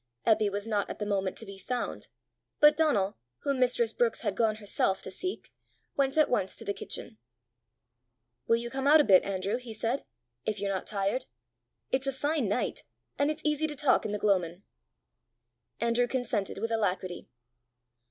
Eppy was not at the moment to be found, but Donal, whom mistress Brookes had gone herself to seek, went at once to the kitchen. "Will you come out a bit, Andrew," he said, " if you're not tired? It's a fine night, and it's easy to talk in the gloamin'!" Andrew consented with alacrity.